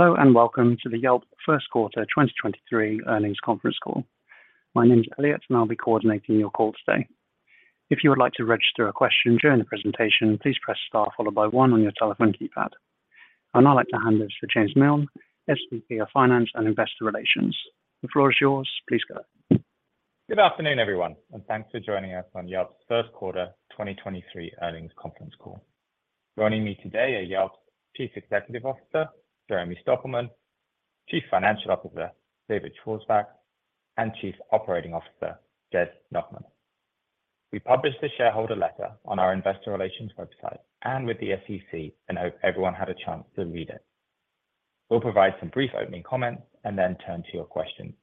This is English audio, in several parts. Hello, welcome to the Yelp first quarter 2023 earnings conference call. My name is Elliot, and I'll be coordinating your call today. If you would like to register a question during the presentation, please press star followed by 1 on your telephone keypad. I'd now like to hand this to James Miln, SVP of Finance and Investor Relations. The floor is yours. Please go. Good afternoon, everyone, thanks for joining us on Yelp's first quarter 2023 earnings conference call. Joining me today are Yelp's Chief Executive Officer, Jeremy Stoppelman, Chief Financial Officer, David Schwarzbach, and Chief Operating Officer, Jed Nachman. We published the shareholder letter on our investor relations website and with the SEC, and hope everyone had a chance to read it. We'll provide some brief opening comments and then turn to your questions.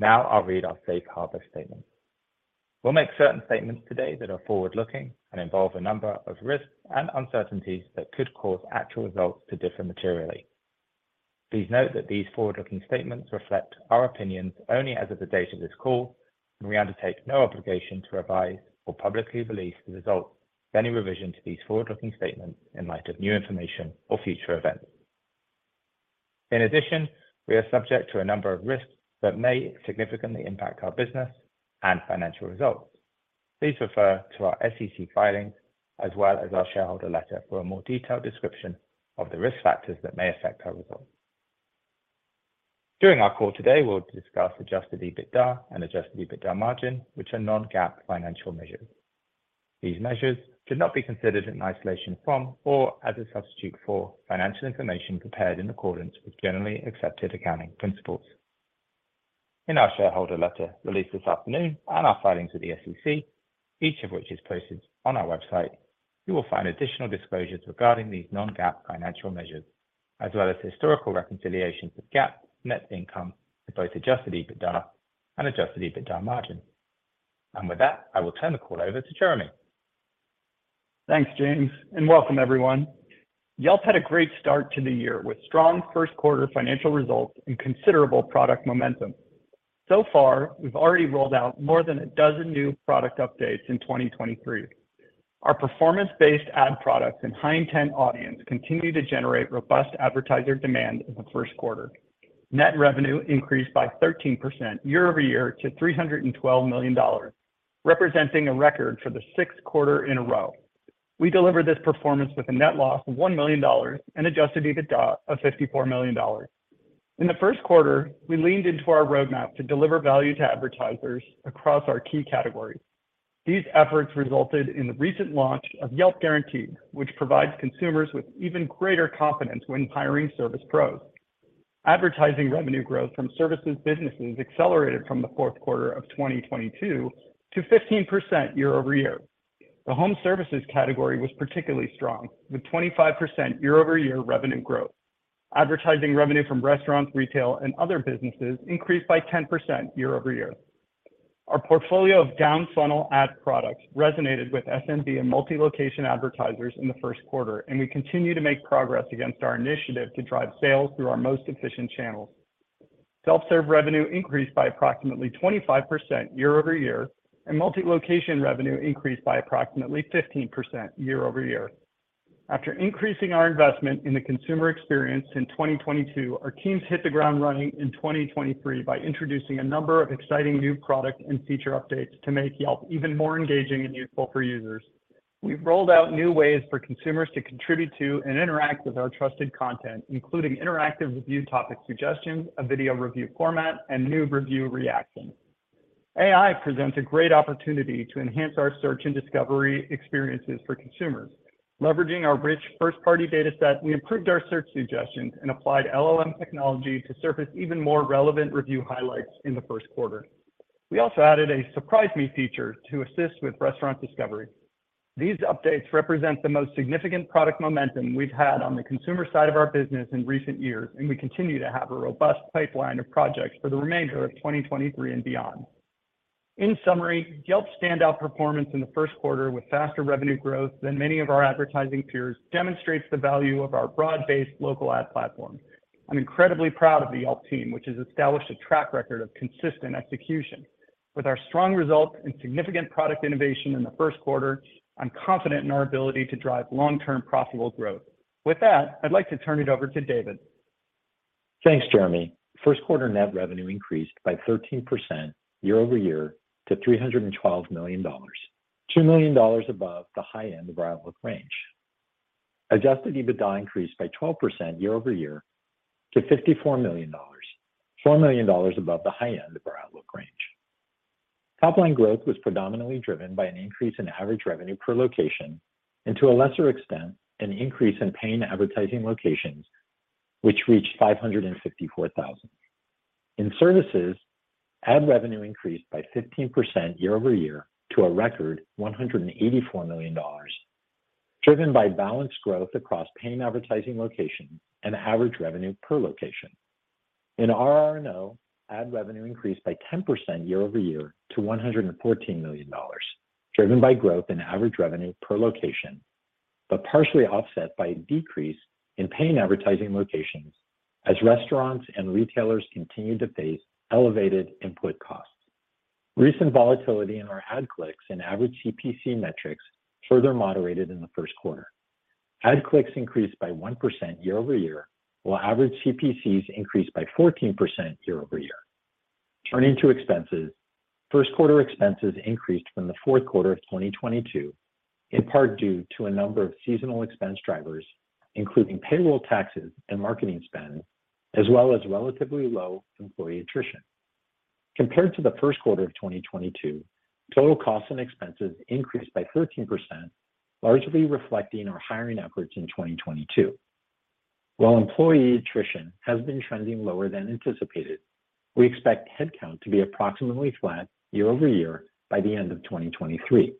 Now I'll read our safe harbor statement. We'll make certain statements today that are forward-looking and involve a number of risks and uncertainties that could cause actual results to differ materially. Please note that these forward-looking statements reflect our opinions only as of the date of this call, and we undertake no obligation to revise or publicly release the results of any revision to these forward-looking statements in light of new information or future events. In addition, we are subject to a number of risks that may significantly impact our business and financial results. Please refer to our SEC filings as well as our shareholder letter for a more detailed description of the risk factors that may affect our results. During our call today, we'll discuss adjusted EBITDA and adjusted EBITDA margin, which are non-GAAP financial measures. These measures should not be considered in isolation from or as a substitute for financial information prepared in accordance with Generally Accepted Accounting Principles. In our shareholder letter released this afternoon on our filings with the SEC, each of which is posted on our website, you will find additional disclosures regarding these non-GAAP financial measures, as well as historical reconciliations with GAAP net income to both adjusted EBITDA and adjusted EBITDA margin. With that, I will turn the call over to Jeremy. Thanks, James, and welcome everyone. Yelp had a great start to the year with strong first quarter financial results and considerable product momentum. So far, we've already rolled out more than a dozen new product updates in 2023. Our performance-based ad products and high-intent audience continue to generate robust advertiser demand in the first quarter. Net revenue increased by 13% year-over-year to $312 million, representing a record for the 6th quarter in a row. We delivered this performance with a net loss of $1 million and adjusted EBITDA of $54 million. In the first quarter, we leaned into our roadmap to deliver value to advertisers across our key categories. These efforts resulted in the recent launch of Yelp Guaranteed, which provides consumers with even greater confidence when hiring service pros. Advertising revenue growth from services businesses accelerated from the fourth quarter of 2022 to 15% year-over-year. The home services category was particularly strong, with 25% year-over-year revenue growth. Advertising revenue from restaurants, retail, and other businesses increased by 10% year-over-year. Our portfolio of down-funnel ad products resonated with SMB and multi-location advertisers in the first quarter. We continue to make progress against our initiative to drive sales through our most efficient channels. Self-serve revenue increased by approximately 25% year-over-year, and multi-location revenue increased by approximately 15% year-over-year. After increasing our investment in the consumer experience in 2022, our teams hit the ground running in 2023 by introducing a number of exciting new product and feature updates to make Yelp even more engaging and useful for users. We've rolled out new ways for consumers to contribute to and interact with our trusted content, including interactive review topic suggestions, a video review format, and new review reactions. AI presents a great opportunity to enhance our search and discovery experiences for consumers. Leveraging our rich first-party data set, we improved our search suggestions and applied LLM technology to surface even more relevant review highlights in the first quarter. We also added a Surprise Me feature to assist with restaurant discovery. These updates represent the most significant product momentum we've had on the consumer side of our business in recent years, and we continue to have a robust pipeline of projects for the remainder of 2023 and beyond. In summary, Yelp's standout performance in the first quarter with faster revenue growth than many of our advertising peers demonstrates the value of our broad-based local ad platform. I'm incredibly proud of the Yelp team, which has established a track record of consistent execution. With our strong results and significant product innovation in the first quarter, I'm confident in our ability to drive long-term profitable growth. With that, I'd like to turn it over to David. Thanks, Jeremy. First quarter net revenue increased by 13% year-over-year to $312 million, $2 million above the high end of our outlook range. Adjusted EBITDA increased by 12% year-over-year to $54 million, $4 million above the high end of our outlook range. Topline growth was predominantly driven by an increase in average revenue per location and, to a lesser extent, an increase in paying advertising locations, which reached 554,000. In services, ad revenue increased by 15% year-over-year to a record $184 million, driven by balanced growth across paying advertising location and average revenue per location. In RR&O, ad revenue increased by 10% year-over-year to $114 million, driven by growth in average revenue per location, but partially offset by a decrease in paying advertising locations as restaurants and retailers continued to face elevated input costs. Recent volatility in our ad clicks and average CPC metrics further moderated in the first quarter. Ad clicks increased by 1% year-over-year, while average CPCs increased by 14% year-over-year. Turning to expenses, first quarter expenses increased from the fourth quarter of 2022, in part due to a number of seasonal expense drivers, including payroll taxes and marketing spend, as well as relatively low employee attrition. Compared to the first quarter of 2022, total costs and expenses increased by 13%, largely reflecting our hiring efforts in 2022. While employee attrition has been trending lower than anticipated, we expect headcount to be approximately flat year-over-year by the end of 2023.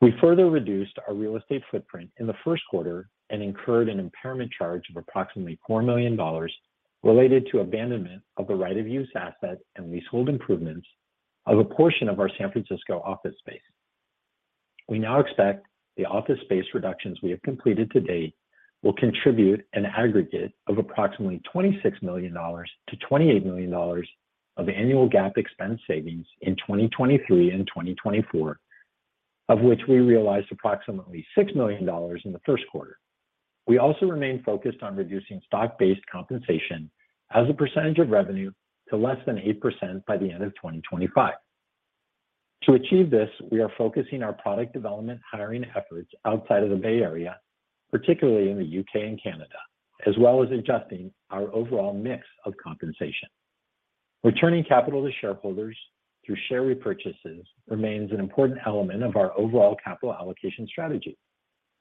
We further reduced our real estate footprint in the first quarter and incurred an impairment charge of approximately $4 million related to abandonment of the right-of-use asset and leasehold improvements of a portion of our San Francisco office space. We now expect the office space reductions we have completed to date will contribute an aggregate of approximately $26 million-$28 million of annual GAAP expense savings in 2023 and 2024, of which we realized approximately $6 million in the first quarter. We also remain focused on reducing stock-based compensation as a percentage of revenue to less than 8% by the end of 2025. To achieve this, we are focusing our product development hiring efforts outside of the Bay Area, particularly in the U.K. and Canada, as well as adjusting our overall mix of compensation. Returning capital to shareholders through share repurchases remains an important element of our overall capital allocation strategy.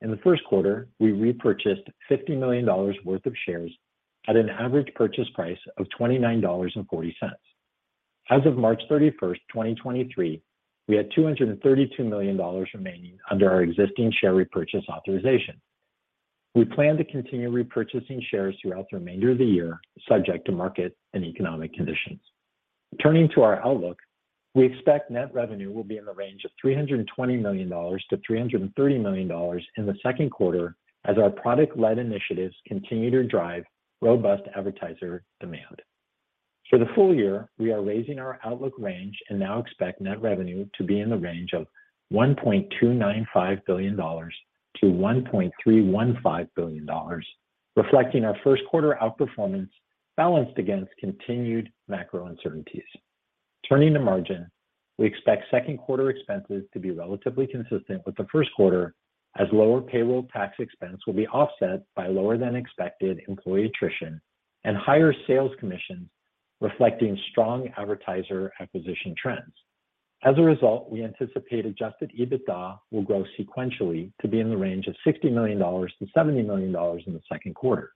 In the first quarter, we repurchased $50 million worth of shares at an average purchase price of $29.40. As of March 31, 2023, we had $232 million remaining under our existing share repurchase authorization. We plan to continue repurchasing shares throughout the remainder of the year, subject to market and economic conditions. Turning to our outlook, we expect net revenue will be in the range of $320 million-$330 million in the second quarter as our product-led initiatives continue to drive robust advertiser demand. For the full year, we are raising our outlook range and now expect net revenue to be in the range of $1.295 billion-$1.315 billion, reflecting our first quarter outperformance balanced against continued macro uncertainties. Turning to margin, we expect second quarter expenses to be relatively consistent with the first quarter, as lower payroll tax expense will be offset by lower than expected employee attrition and higher sales commissions, reflecting strong advertiser acquisition trends. As a result, we anticipate adjusted EBITDA will grow sequentially to be in the range of $60 million-$70 million in the second quarter.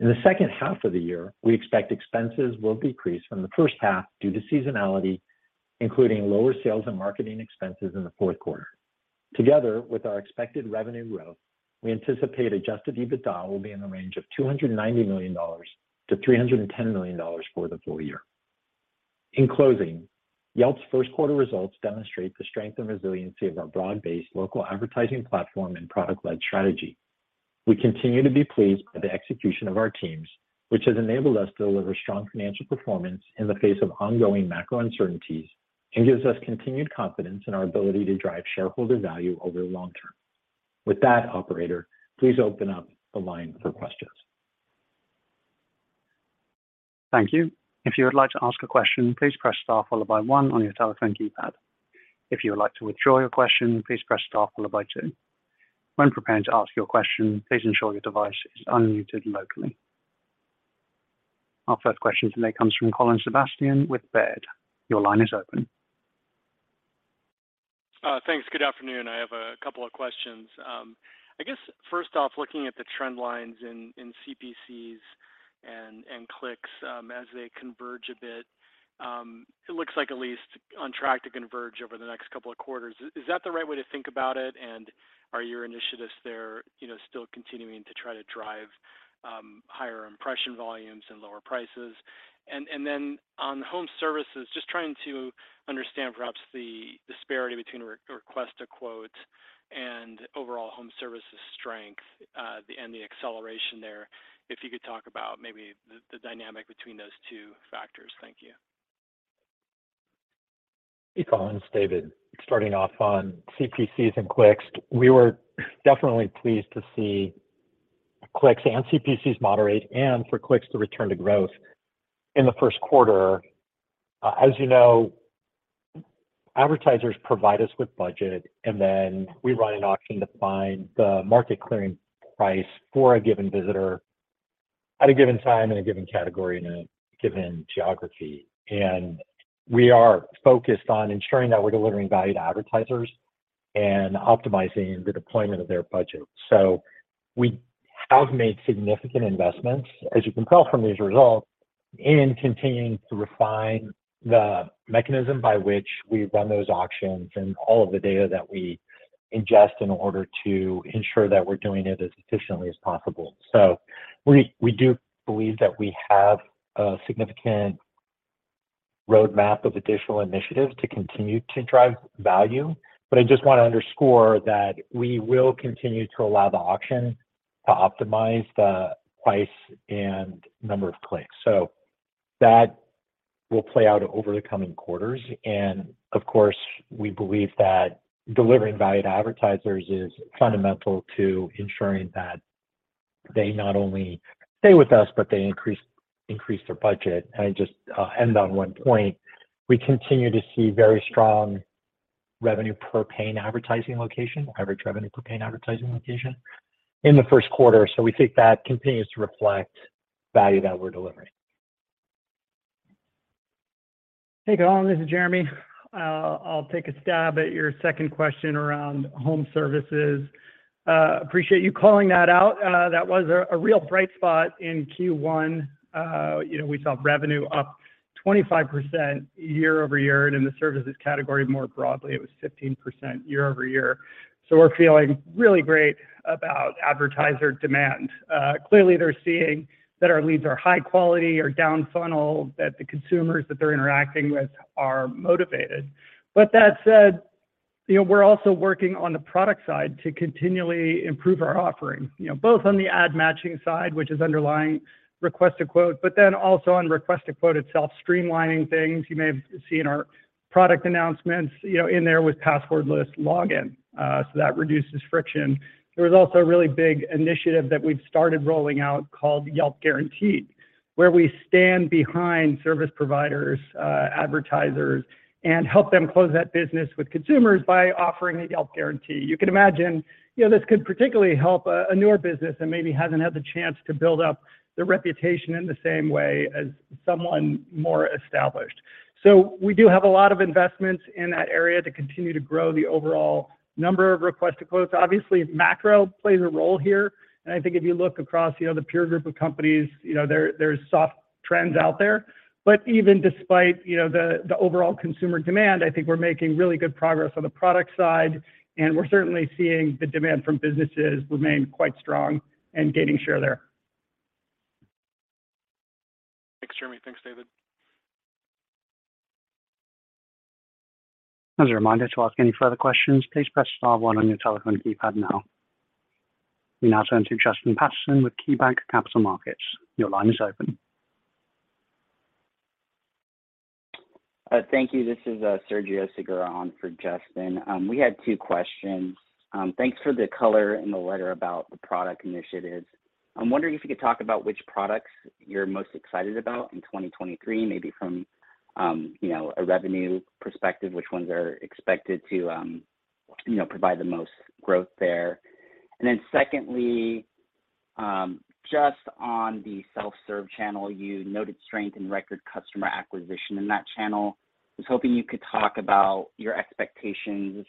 In the second half of the year, we expect expenses will decrease from the first half due to seasonality, including lower sales and marketing expenses in the fourth quarter. Together with our expected revenue growth, we anticipate adjusted EBITDA will be in the range of $290 million-$310 million for the full year. In closing, Yelp's first quarter results demonstrate the strength and resiliency of our broad-based local advertising platform and product-led strategy. We continue to be pleased by the execution of our teams, which has enabled us to deliver strong financial performance in the face of ongoing macro uncertainties and gives us continued confidence in our ability to drive shareholder value over the long term. With that, operator, please open up the line for questions. Thank you. If you would like to ask a question, please press star followed by one on your telephone keypad. If you would like to withdraw your question, please press star followed by two. When preparing to ask your question, please ensure your device is unmuted locally. Our first question today comes from Colin Sebastian with Baird. Your line is open. Thanks. Good afternoon. I have a couple of questions. I guess first off, looking at the trend lines in CPCs and clicks, as they converge a bit, it looks like at least on track to converge over the next couple of quarters. Is that the right way to think about it? Are your initiatives there, you know, still continuing to try to drive higher impression volumes and lower prices? Then on home services, just trying to understand perhaps the disparity between Request a Quote and overall home services strength and the acceleration there. If you could talk about maybe the dynamic between those two factors. Thank you. Hey, Colin, it's David. Starting off on CPCs and clicks, we were definitely pleased to see clicks and CPCs moderate, and for clicks to return to growth in the first quarter. As you know, advertisers provide us with budget, we run an auction to find the market clearing price for a given visitor at a given time in a given category in a given geography. We are focused on ensuring that we're delivering value to advertisers and optimizing the deployment of their budget. We have made significant investments, as you can tell from these results, in continuing to refine the mechanism by which we run those auctions and all of the data that we ingest in order to ensure that we're doing it as efficiently as possible. We do believe that we have a significant roadmap of additional initiatives to continue to drive value. I just wanna underscore that we will continue to allow the auction to optimize the price and number of clicks. That will play out over the coming quarters. Of course, we believe that delivering value to advertisers is fundamental to ensuring that they not only stay with us, but they increase their budget. Just end on one point, we continue to see very strong revenue per paying advertising location, average revenue per paying advertising location in the first quarter. We think that continues to reflect value that we're delivering. Hey, Colin, this is Jeremy. I'll take a stab at your second question around home services. Appreciate you calling that out. That was a real bright spot in Q1. You know, we saw revenue up 25% year-over-year, and in the services category more broadly, it was 15% year-over-year. We're feeling really great about advertiser demand. Clearly they're seeing that our leads are high quality or down-funnel, that the consumers that they're interacting with are motivated. That said, you know, we're also working on the product side to continually improve our offering, you know, both on the ad matching side, which is underlying Request a Quote, but then also on Request a Quote itself, streamlining things. You may have seen our product announcements, you know, in there with passwordless login. That reduces friction. There was also a really big initiative that we've started rolling out called Yelp Guaranteed, where we stand behind service providers, advertisers, and help them close that business with consumers by offering a Yelp guarantee. You can imagine, you know, this could particularly help a newer business that maybe hasn't had the chance to build up their reputation in the same way as someone more established. We do have a lot of investments in that area to continue to grow the overall number of request to quotes. Obviously, macro plays a role here, and I think if you look across, you know, the peer group of companies, you know, there's soft trends out there. Even despite, you know, the overall consumer demand, I think we're making really good progress on the product side, and we're certainly seeing the demand from businesses remain quite strong and gaining share there. Thanks, Jeremy. Thanks, David. As a reminder to ask any further questions, please press star one on your telephone keypad now. We now turn to Justin Patterson with KeyBanc Capital Markets. Your line is open. Thank you. This is Sergio Segura for Justin. We had two questions. Thanks for the color in the letter about the product initiatives. I'm wondering if you could talk about which products you're most excited about in 2023, maybe from, you know, a revenue perspective, which ones are expected to, you know, provide the most growth there. Secondly, just on the self-serve channel, you noted strength in record customer acquisition in that channel. I was hoping you could talk about your expectations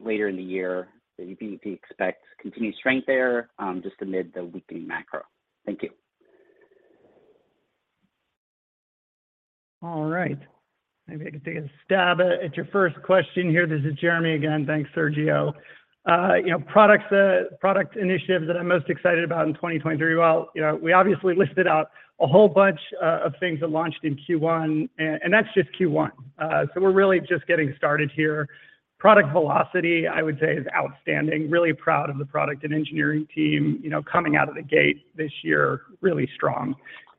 later in the year. Do you expect continued strength there just amid the weakening macro? Thank you. All right. Maybe I can take a stab at your first question here. This is Jeremy Stoppelman again. Thanks, Sergio Segura. you know, products, product initiatives that I'm most excited about in 2023. Well, you know, we obviously listed out a whole bunch of things that launched in Q1, and that's just Q1. We're really just getting started here. Product velocity, I would say, is outstanding. Really proud of the product and engineering team, you know, coming out of the gate this year really strong.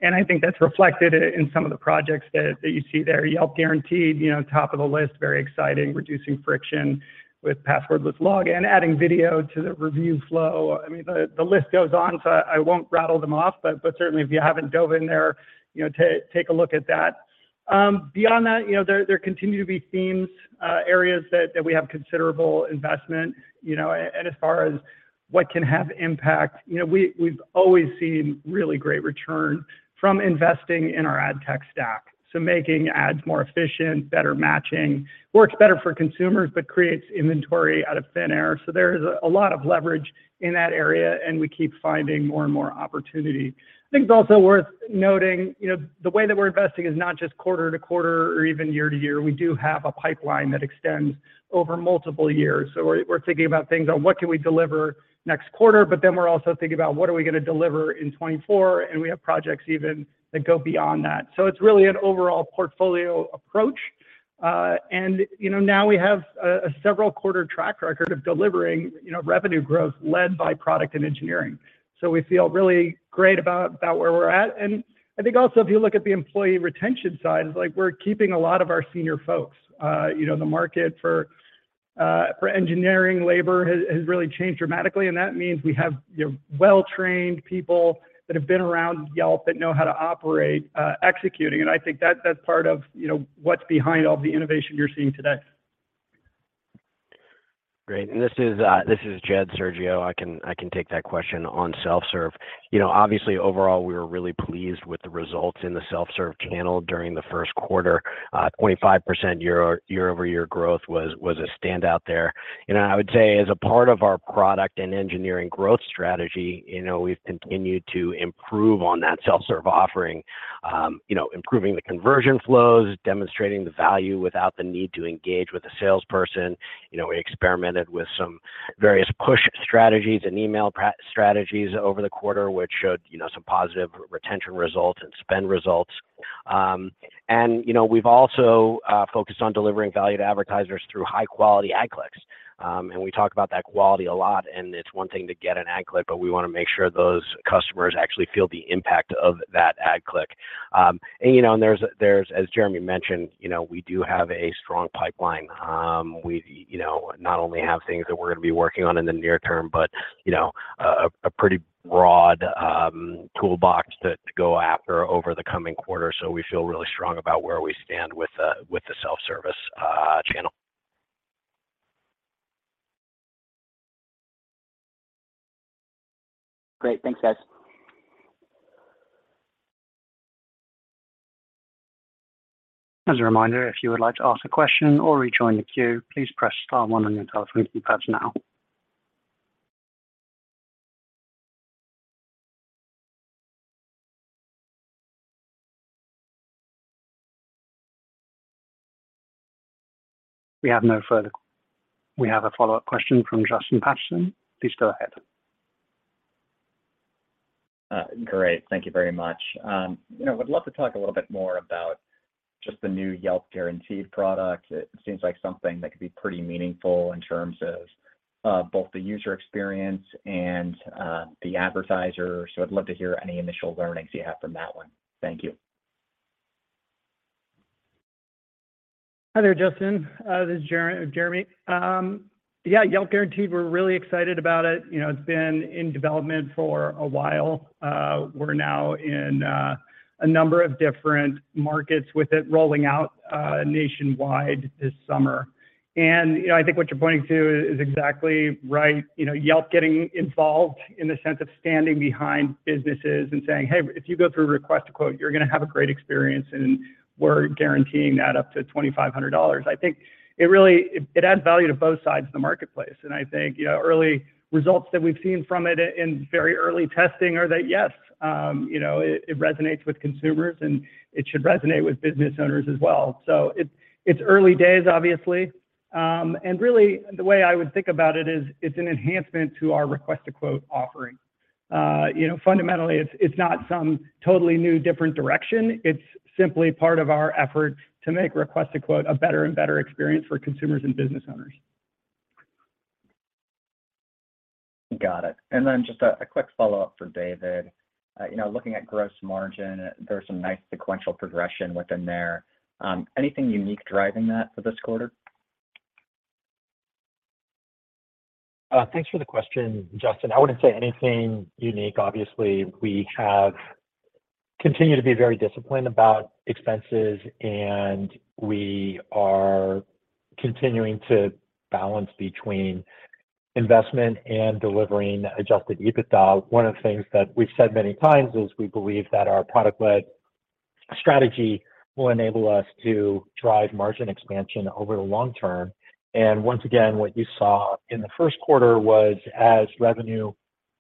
I think that's reflected in some of the projects that you see there. Yelp Guaranteed, you know, top of the list, very exciting, reducing friction with passwordless login, adding video to the review flow. I mean, the list goes on, I won't rattle them off, but certainly if you haven't dove in there, you know, take a look at that. Beyond that, you know, there continue to be themes, areas that we have considerable investment, you know. As far as what can have impact, you know, we've always seen really great return from investing in our ad tech stack. Making ads more efficient, better matching, works better for consumers, but creates inventory out of thin air. There is a lot of leverage in that area, and we keep finding more and more opportunity. I think it's also worth noting, you know, the way that we're investing is not just quarter to quarter or even year to year. We do have a pipeline that extends over multiple years. We're thinking about things on what can we deliver next quarter, we're also thinking about what are we gonna deliver in 2024, we have projects even that go beyond that. It's really an overall portfolio approach. You know, now we have a several quarter track record of delivering, you know, revenue growth led by product and engineering. We feel really great about where we're at. I think also if you look at the employee retention side, it's like we're keeping a lot of our senior folks. You know, the market for engineering labor has really changed dramatically, and that means we have, you know, well-trained people that have been around Yelp that know how to operate, executing. I think that's part of, you know, what's behind all the innovation you're seeing today. Great. This is Jed, Sergio. I can take that question on self-serve. You know, obviously, overall, we were really pleased with the results in the self-serve channel during the first quarter. 25% year-over-year growth was a standout there. You know, I would say as a part of our product and engineering growth strategy, you know, we've continued to improve on that self-serve offering. You know, improving the conversion flows, demonstrating the value without the need to engage with a salesperson. You know, we experimented with some various push strategies and email strategies over the quarter, which showed, you know, some positive retention results and spend results. You know, we've also focused on delivering value to advertisers through high-quality ad clicks. We talk about that quality a lot, and it's one thing to get an ad click, but we wanna make sure those customers actually feel the impact of that ad click. You know, and there's, as Jeremy mentioned, you know, we do have a strong pipeline. We, you know, not only have things that we're gonna be working on in the near term, but, you know, a pretty broad toolbox to go after over the coming quarter. We feel really strong about where we stand with the self-service channel. Great. Thanks, guys. As a reminder, if you would like to ask a question or rejoin the queue, please press star one on your telephone keypad now. We have a follow-up question from Justin Patterson. Please go ahead. Great. Thank you very much. you know, would love to talk a little bit more about just the new Yelp Guaranteed product. It seems like something that could be pretty meaningful in terms of both the user experience and the advertiser. I'd love to hear any initial learnings you have from that one. Thank you. Hi there, Justin. This is Jeremy. Yeah, Yelp Guaranteed, we're really excited about it. You know, it's been in development for a while. We're now in a number of different markets with it rolling out nationwide this summer. You know, I think what you're pointing to is exactly right. You know, Yelp getting involved in the sense of standing behind businesses and saying, "Hey, if you go through Request a Quote, you're gonna have a great experience, and we're guaranteeing that up to $2,500." I think it really adds value to both sides of the marketplace. I think, you know, early results that we've seen from it in very early testing are that, yes, you know, it resonates with consumers, and it should resonate with business owners as well. It's early days, obviously. Really the way I would think about it is it's an enhancement to our Request a Quote offering. You know, fundamentally it's not some totally new different direction. It's simply part of our effort to make Request a Quote a better and better experience for consumers and business owners. Got it. Just a quick follow-up for David. You know, looking at gross margin, there's some nice sequential progression within there. Anything unique driving that for this quarter? Thanks for the question, Justin. I wouldn't say anything unique. Obviously, we have continued to be very disciplined about expenses, and we are continuing to balance between investment and delivering adjusted EBITDA. One of the things that we've said many times is we believe that our product led strategy will enable us to drive margin expansion over the long term. Once again, what you saw in the first quarter was as revenue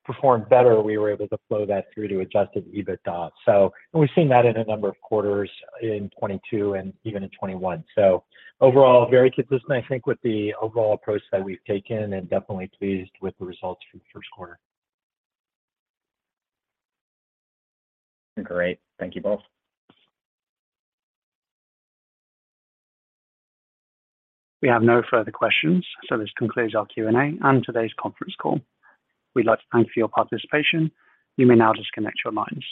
performed better, we were able to flow that through to adjusted EBITDA. We've seen that in a number of quarters in 2022 and even in 2021. Overall, very consistent, I think, with the overall approach that we've taken and definitely pleased with the results for the first quarter. Great. Thank you both. We have no further questions, so this concludes our Q&A and today's conference call. We'd like to thank you for your participation. You may now disconnect your lines.